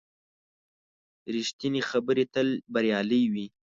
ریښتینې خبرې تل بریالۍ وي.